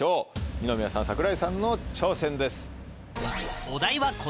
二宮さん櫻井さんの挑戦です。